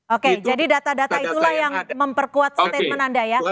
oke jadi data data itulah yang memperkuat statement anda ya